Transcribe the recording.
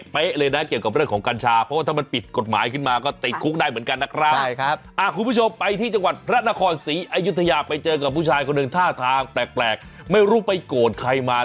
ไปเจอกับผู้ชายคนหนึ่งท่าทางแปลกไม่รู้ไปโกรธใครมา